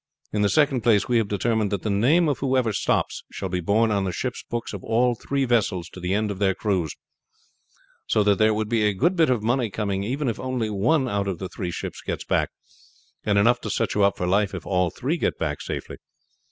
In the second place we have determined that the name of whoever stops shall be borne on the ship books of all three vessels to the end of their cruise, so that there would be a good bit of money coming even if only one out of the three ships gets back, and enough to set you up for life if all three get back safely.